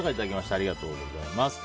ありがとうございます。